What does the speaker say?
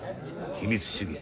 秘密主義。